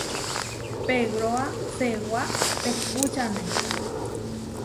Pegroá seewá tehpúčane.